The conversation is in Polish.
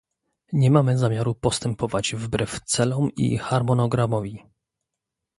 Nie mamy zamiaru postępować wbrew celom i harmonogramowi